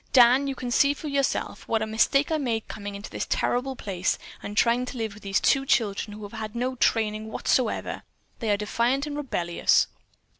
Dan, you can see for yourself what a mistake I made in coming to this terrible place, and trying to live with these two children who have had no training whatever. They are defiant and rebellious."